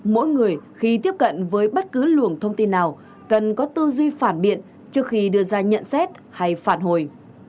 mỗi người khi tiếp cận với bất cứ luồng thông tin nào cần có tư duy phản biện trước khi đưa ra nhận xét hay phản hồi